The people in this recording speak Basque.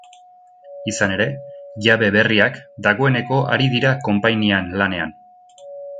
Izan ere, jabe berriak dagoeneko ari dira konpainian lanean.